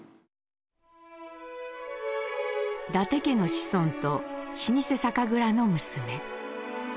伊達家の子孫と老舗酒蔵の娘。